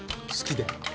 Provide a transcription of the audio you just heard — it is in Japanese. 好きで。